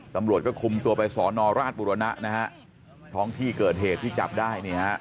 ตำรวจก็คุมตัวไปสนรบุรณะท้องที่เกิดเหตุที่จับได้